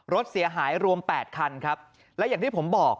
รถเสียหายรวมแปดคันครับและอย่างที่ผมบอก